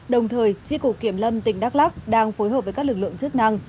đồng thời tri cục kiểm lâm tỉnh đắk lắc đang phối hợp với các lực lượng chức năng